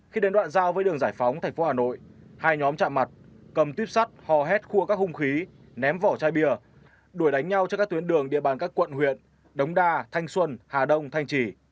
khi đến đoạn giao với đường giải phóng thành phố hà nội hai nhóm chạm mặt cầm tuyếp sắt hò hét khua các hung khí ném vỏ chai bia đuổi đánh nhau trên các tuyến đường địa bàn các quận huyện đống đa thanh xuân hà đông thanh trì